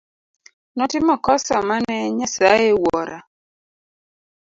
Notimo kosa mane Nyasaye Wuora.